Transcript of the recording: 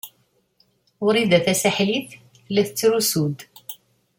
Wrida Tasaḥlit tella tettrusu-d.